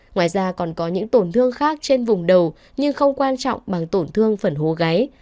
ngoài ra còn có những tổn thương khác trên vùng đầu nhưng không quan trọng bằng tổn thương phần hố gáy